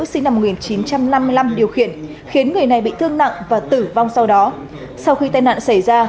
sinh năm một nghìn chín trăm năm mươi năm điều khiển khiến người này bị thương nặng và tử vong sau đó sau khi tai nạn xảy ra